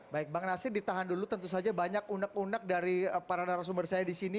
baik bang nasir ditahan dulu tentu saja banyak unek unek dari para narasumber saya di sini